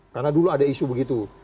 karena dulu ada isu begitu